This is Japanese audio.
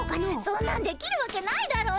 そんなんできるわけないだろ。